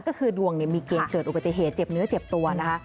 ก็คือดวงมีเกณฑ์เกิดอุบัติเหตุเจ็บเนื้อเจ็บตัวนะคะ